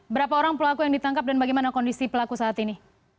berapa orang pelaku yang ditangkap dan bagaimana kondisi pelaku saat ini